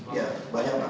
ya banyak pak